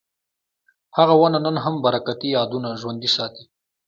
هغه ونه نن هم برکتي یادونه ژوندي ساتي.